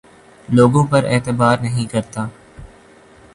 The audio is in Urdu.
لوگوں پر اعتبار نہیں کرتا